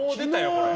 これ。